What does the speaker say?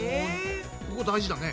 ここ大事だね。